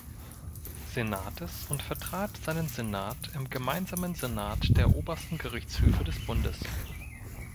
Senates und vertrat seinen Senat im Gemeinsamen Senat der obersten Gerichtshöfe des Bundes.